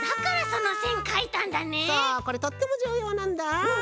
そうこれとってもじゅうようなんだ。